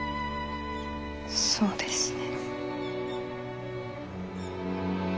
そうですね。